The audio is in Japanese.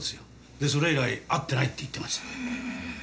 でそれ以来会ってないって言ってます。